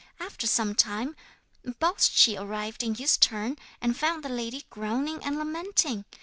After some time Baldschi arrived in his turn, and found the lady groaning and lamenting.